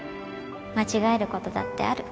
間違えることだってある